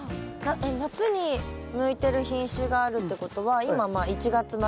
夏に向いてる品種があるってことは今まあ１月末で。